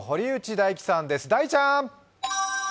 大ちゃん！